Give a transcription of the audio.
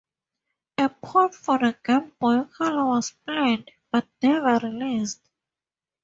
A port for the Game Boy Color was planned, but never released.